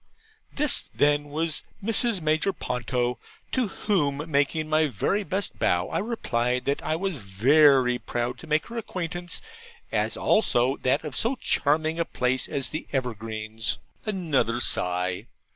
This, then, was Mrs. Major Ponto; to whom making my very best bow, I replied, that I was very proud to make her acquaintance, as also that of so charming a place as the Evergreens. Another sigh.